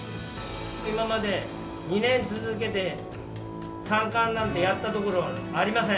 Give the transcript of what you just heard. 今まで、２年続けて三冠なんてやったところ、ありません。